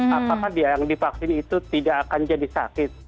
apakah yang dipaksin itu tidak akan jadi sakit